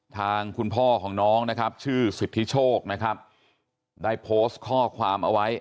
ทางคุณพ่อของน้องนะครับชื่อสิทธิโชคนะครับได้โพสต์ข้อความเอาไว้